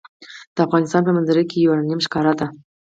د افغانستان په منظره کې یورانیم ښکاره ده.